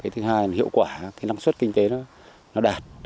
thứ hai là hiệu quả cái năng suất kinh tế nó đạt